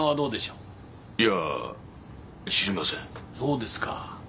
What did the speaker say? そうですか。